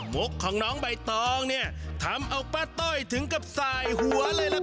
กของน้องใบตองเนี่ยทำเอาป้าต้อยถึงกับสายหัวเลยล่ะครับ